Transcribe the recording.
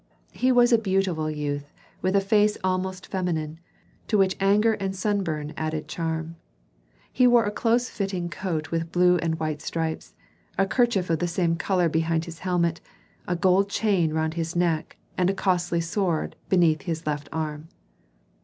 He was a beautiful youth, with a face almost feminine, to which anger and sunburn added charm. He wore a close fitting coat with blue and white stripes, a kerchief of the same color behind his helmet, a gold chain around his neck, and a costly sword beneath his left arm.